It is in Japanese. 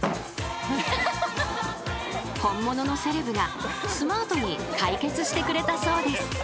［本物のセレブがスマートに解決してくれたそうです］